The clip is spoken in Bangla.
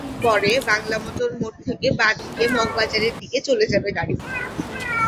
পরে বাংলামোটর মোড় থেকে বাঁ দিকে মগবাজারের দিকে চলে যাবে গাড়িগুলো।